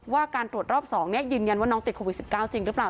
การตรวจรอบ๒ยืนยันว่าน้องติดโควิด๑๙จริงหรือเปล่า